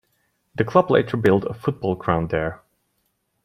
The club later built a football ground there.